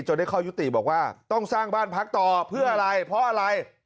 ได้เข้ายุติบอกว่าต้องสร้างบ้านพักต่อเพื่ออะไรเพราะอะไร